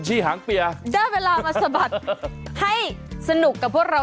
หุ้กัลสะบัดเขา